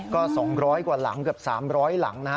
ก็๒๐๐กว่าหลังเกือบ๓๐๐หลังนะฮะ